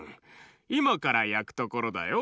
いまからやくところだよ。